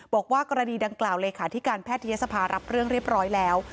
บอกว่ากรณีดังกล่าวเลขาธิการแพทยศภารับเรื่องเรียบร้อยแล้ว